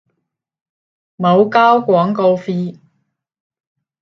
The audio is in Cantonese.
冇交廣告費